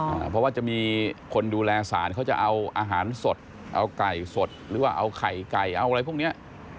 เพราะว่าจะมีคนดูแลสารเขาจะเอาอาหารสดเอาไก่สดหรือว่าเอาไข่ไก่เอาอะไรพวกเนี้ย